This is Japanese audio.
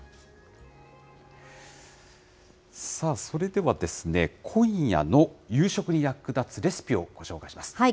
それではですね、今夜の夕食に役立つレシピをご紹介します。